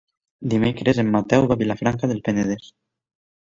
Dimecres en Mateu va a Vilafranca del Penedès.